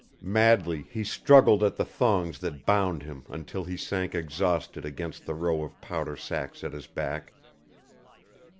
Madly he struggled at the thongs that bound him until he sank exhausted against the row of powder sacks at his back.